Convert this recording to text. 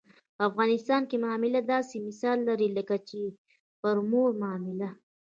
په افغانستان معامله داسې مثال لري لکه چې پر مور معامله.